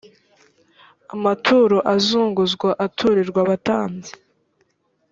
amaturo azunguzwa aturirwa abatambyi .